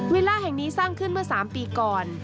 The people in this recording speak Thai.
ล่าแห่งนี้สร้างขึ้นเมื่อ๓ปีก่อน